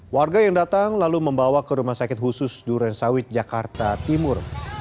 warga yang datang lalu membawa ke rumah sakit khusus duren sawit jakarta timur